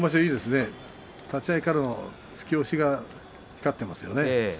立ち合いからの突き起こしが光っていますね。